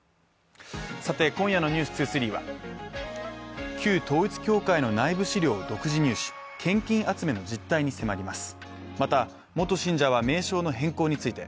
今夜の「ｎｅｗｓ２３」は旧統一教会の内部資料を独自入手献金集めの実態に迫ります